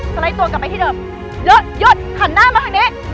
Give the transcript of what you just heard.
ไลด์ตัวกลับไปที่เดิมหยุดหยุดหันหน้ามาทางนี้